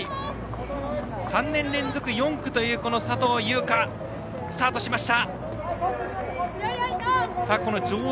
３年連続４区という佐藤悠花スタートしました。